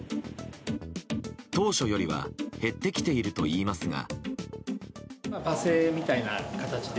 当初よりは減ってきているといいますが。